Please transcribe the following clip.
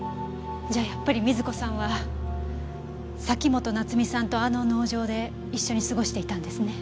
じゃあやっぱり瑞子さんは崎本菜津美さんとあの農場で一緒に過ごしていたんですね。